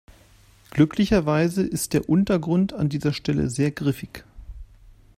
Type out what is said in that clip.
Glücklicherweise ist der Untergrund an dieser Stelle sehr griffig.